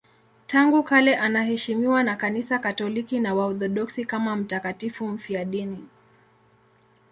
Tangu kale anaheshimiwa na Kanisa Katoliki na Waorthodoksi kama mtakatifu mfiadini.